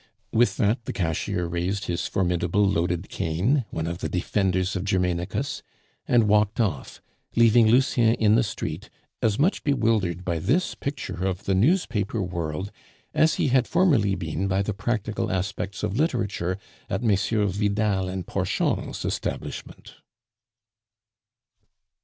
With that the cashier raised his formidable loaded cane, one of the defenders of Germainicus, and walked off, leaving Lucien in the street, as much bewildered by this picture of the newspaper world as he had formerly been by the practical aspects of literature at Messrs. Vidal and Porchon's establishment.